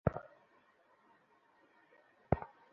আমাকে কেন ধরছেন?